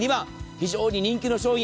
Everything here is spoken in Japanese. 非常に人気の商品。